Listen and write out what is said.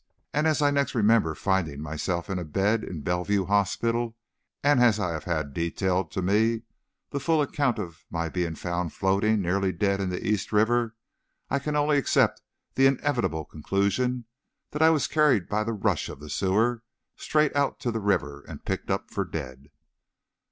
And as I next remember finding myself in a bed in Bellevue Hospital, and as I have had detailed to me the full account of my being found floating, nearly dead, in the East River, I can only accept the inevitable conclusion that I was carried by the rush of the sewer, straight out to the river, and picked up for dead.